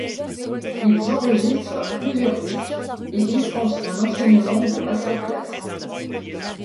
Ils enregistrent plusieurs disques et dispensent un enseignement de master classes.